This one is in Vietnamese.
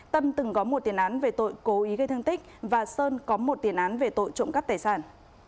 tâm từng có một tiền án về tội cố ý gây thương tích và sơn có một tiền án về tội trộm cắp tài sản